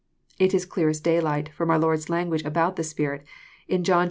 It >ls clear as daylight, from our Lord's language about the Spirit, In John xiv.